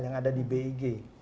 yang ada di big